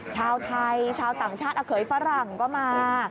ชาวไทยชาวต่างชาติอาเขยฝรั่งก็มา